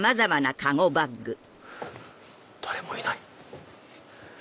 誰もいない。